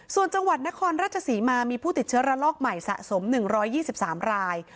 ส่วนจังหวัดนครราชศรีมามีผู้ติดเชื้อระลอกใหม่สะสม๑๒๓ราย